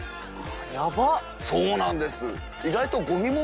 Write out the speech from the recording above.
そうなんです。